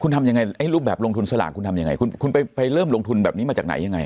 คุณทำยังไงไอ้รูปแบบลงทุนสลากคุณทำยังไงคุณไปเริ่มลงทุนแบบนี้มาจากไหนยังไง